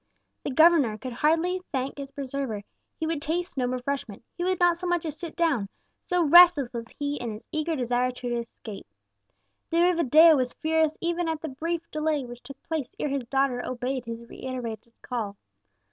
The governor could hardly thank his preserver; he would taste no refreshment; he would not so much as sit down, so restless was he in his eager desire to escape. De Rivadeo was furious even at the brief delay which took place ere his daughter obeyed his reiterated call.